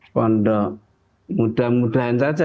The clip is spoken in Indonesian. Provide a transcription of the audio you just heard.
pondok mudah mudahan saja